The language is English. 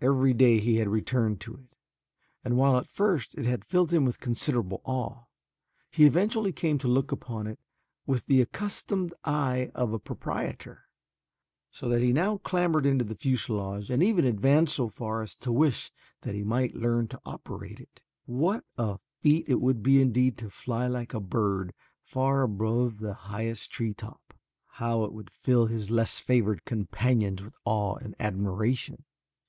Every day he had returned to it, and while at first it had filled him with considerable awe, he eventually came to look upon it with the accustomed eye of a proprietor, so that he now clambered into the fuselage and even advanced so far as to wish that he might learn to operate it. What a feat it would be indeed to fly like a bird far above the highest tree top! How it would fill his less favored companions with awe and admiration!